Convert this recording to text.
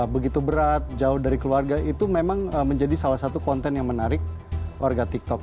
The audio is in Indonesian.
begitu berat jauh dari keluarga itu memang menjadi salah satu konten yang menarik warga tiktok